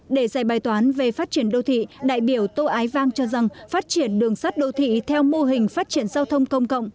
để giải bài toán về phát triển đô thị đại biểu tô ái vang cho rằng phát triển đường sắt đô thị theo mô hình phát triển giao thông công cộng